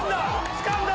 つかんだ！